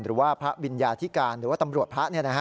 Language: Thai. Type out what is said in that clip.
หรือว่าพระวิญญาธิการหรือว่าตำรวจพระ